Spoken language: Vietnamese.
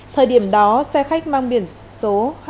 thời điểm đó xe khách mang biển số